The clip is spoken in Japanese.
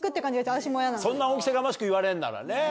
そんな恩着せがましく言われるんならね。